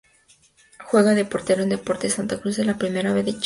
Juega de portero en Deportes Santa Cruz de la Primera B de Chile.